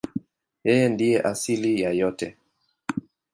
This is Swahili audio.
Yeye ndiye asili ya yote.